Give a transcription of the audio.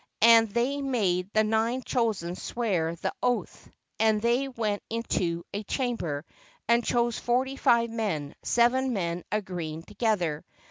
And they made the nine chosen swear the oath, and 'they went into a chamber and chose forty five men, seven men agreeing together.